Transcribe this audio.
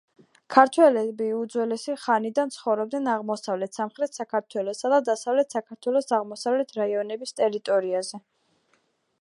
ქართები უძველესი ხანიდან ცხოვრობდნენ აღმოსავლეთ, სამხრეთ საქართველოსა და დასავლეთ საქართველოს აღმოსავლეთის რაიონების ტერიტორიაზე.